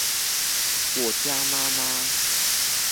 我家媽媽